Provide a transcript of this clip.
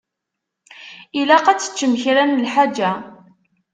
Ilaq ad teččem kra n lḥaǧa.